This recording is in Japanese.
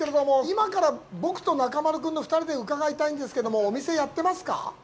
今から僕と中丸君の２人で伺いたいんですけどもお店やってますか。